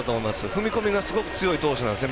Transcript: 踏み込みがすごく強い投手なんです。